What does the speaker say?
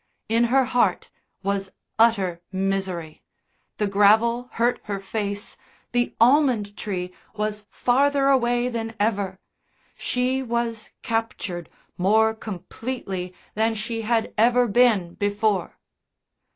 In her heart was utter misery. The gravel hurt her face, the almond tree was farther away than ever; she was captured more completely than she had ever been before.